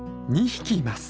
２匹います。